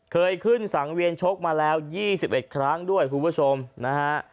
เคยขึ้นสังเวียนชกมาแล้ว๒๑ครั้งด้วยคุณผู้ชมนะฮะ